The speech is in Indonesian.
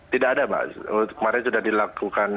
tidak ada pak kemarin sudah dilakukan evakuasi